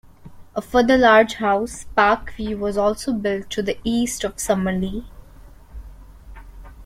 A further large house, Park View was also built to the east of Summerlee.